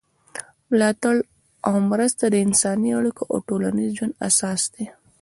ملاتړ او مرسته د انساني اړیکو او ټولنیز ژوند اساس دی.